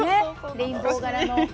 レインボー柄の。